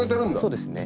そうですね。